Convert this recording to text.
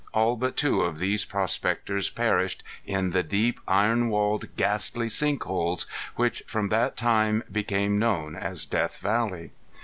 All but two of these prospectors perished in the deep, iron walled, ghastly sink holes, which from that time became known as Death Valley.